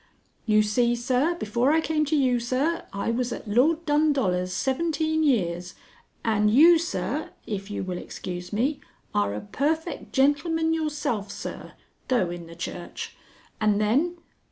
"You see, sir, before I came to you, sir, I was at Lord Dundoller's seventeen years, and you, sir if you will excuse me are a perfect gentleman yourself, sir though in the Church. And then...."